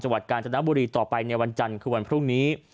วัดกาญจนบุรีต่อไปในวันจันทร์คือวันพรุ่งนี้